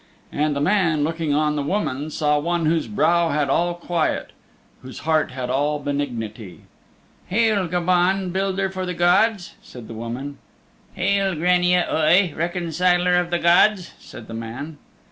And the man looking on the woman saw one whose brow had all quiet, whose heart had all benignity. "Hail, Gobaun, Builder for the Gods," said the woman. "Hail, Grania Oi, Reconciler for the Gods," said the man.